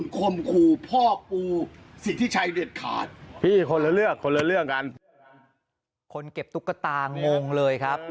คนเก็บตุ๊กตางงเลยครับ